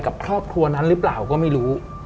กับครอบครัวนั้นหรือเปล่าก็ไม่รู้